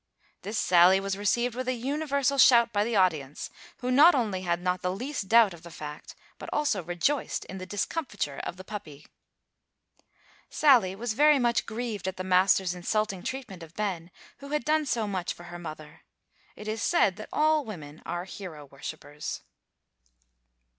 This sally was received with a universal shout by the audience, who not only had not the least doubt of the fact, but also rejoiced in the discomfiture of the puppy. Sally was very much grieved at the master's insulting treatment of Ben, who had done so much for her mother. It is said that all women are hero worshippers.